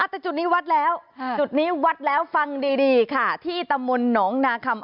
แต่จุดนี้วัดแล้วจุดนี้วัดแล้วฟังดีค่ะที่ตำบลหนองนาคำ